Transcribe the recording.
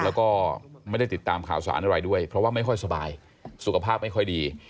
แล้วก็ไม่ได้ติดตามข่าวสารอะไรด้วยเพราะว่าไม่ค่อยสบายสุขภาพไม่ค่อยดี